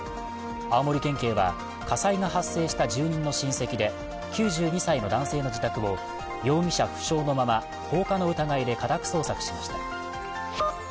青森県警は火災が発生した住人の親戚で９２歳の男性の自宅を容疑者不詳のまま、放火の疑いで家宅捜索しました。